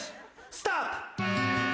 スタート。